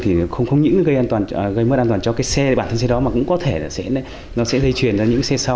thì không những gây mất an toàn cho bản thân xe đó mà cũng có thể nó sẽ dây chuyển ra những xe sau